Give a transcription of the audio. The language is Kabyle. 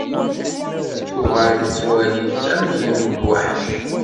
Tuɣal tettwali-t amzun d lweḥc.